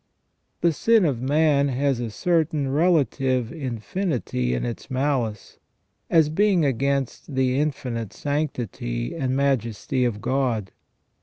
The sin of man has a certain relative infinity in its malice, as being against the infinite sanctity and majesty of God.